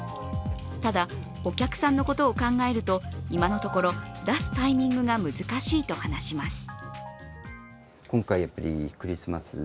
ただ、お客さんのことを考えると、今のところ、出すタイミングが難しいと話します。